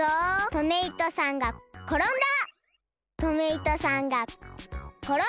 トメイトさんがころんだ。